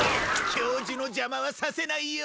教授のじゃまはさせないよ！